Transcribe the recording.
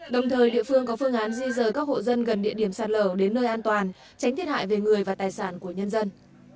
đồng thời địa phương có phương án di rời các hộ dân gần địa điểm sạt lở đến nơi an toàn tránh thiệt hại về người và tài sản của nhân dân